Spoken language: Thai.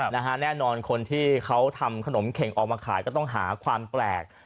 แน่นอนคนที่เขาทำขนมเข็งออกมาขายก็ต้องหาความแปลก